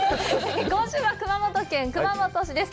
今週は、熊本県熊本市です。